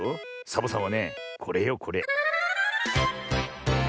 サボさんはねこれよこれ。